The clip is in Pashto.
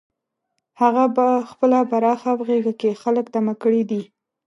هغه په خپله پراخه غېږه کې خلک دمه کړي دي.